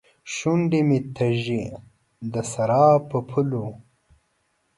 شونډې مې تږې ، دسراب په پولو